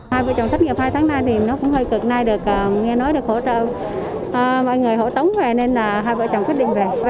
hai vợ chồng xét nghiệm hai tháng nay thì nó cũng hơi cực nay được nghe nói được hỗ trợ mọi người hỗ tống về nên là hai vợ chồng quyết định về